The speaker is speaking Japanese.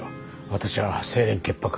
私は清廉潔白。